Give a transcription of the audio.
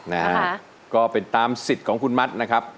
นะฮะก็เป็นตามสิทธิ์ของคุณมัดนะครับ